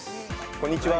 こんにちは。